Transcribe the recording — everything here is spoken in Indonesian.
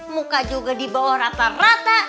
muka juga dibawa rata rata